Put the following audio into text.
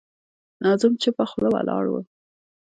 ناظم چوپه خوله ولاړ و.